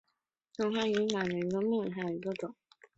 东方窄颈金花虫为金花虫科窄颈金花虫属下的一个种。